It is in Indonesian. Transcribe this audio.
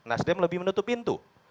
asdem lebih menutup pintu